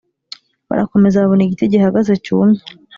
Barakomeza, babona igiti gihagaze cyumye.